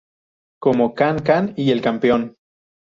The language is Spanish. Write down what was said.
Como "Can Can" y "El Campeón.